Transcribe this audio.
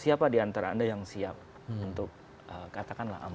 siapa diantara anda yang siap untuk katakanlah